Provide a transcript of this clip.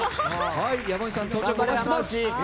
山内さん、お待ちしております。